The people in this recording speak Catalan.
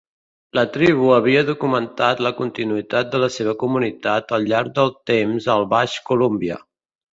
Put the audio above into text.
La tribu havia documentat la continuïtat de la seva comunitat al llarg del temps al baix Columbia.